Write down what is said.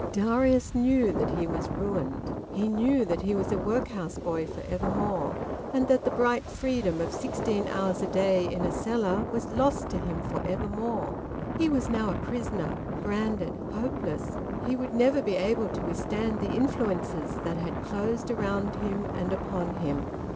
Darius knew that he was ruined; he knew that he was a workhouse boy for evermore, and that the bright freedom of sixteen hours a day in a cellar was lost to him for evermore. He was now a prisoner, branded, hopeless. He would never be able to withstand the influences that had closed around him and upon him.